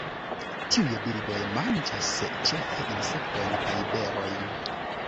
Tiuj birdoj manĝas ĉefe insektojn kaj berojn.